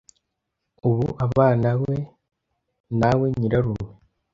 ubu abanawe nawe nyirarume.